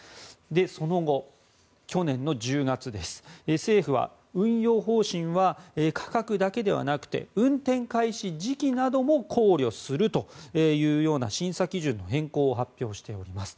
その後、去年１０月政府は運用方針は価格だけではなく運転開始時期なども考慮するというような審査基準の変更を発表しています。